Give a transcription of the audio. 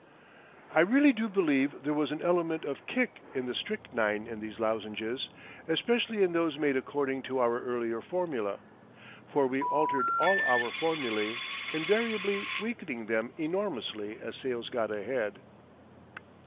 I really do believe there was an element of "kick" in the strychnine in these lozenges, especially in those made according to our earlier formula. For we altered all our formulae—invariably weakening them enormously as sales got ahead.